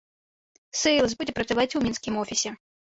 Сэйлз будзе працаваць у мінскім офісе.